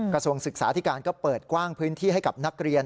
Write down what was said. กระทรวงศึกษาธิการก็เปิดกว้างพื้นที่ให้กับนักเรียน